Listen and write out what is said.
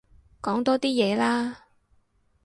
講多啲嘢啦